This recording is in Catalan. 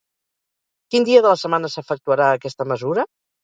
Quin dia de la setmana s'efectuarà aquesta mesura?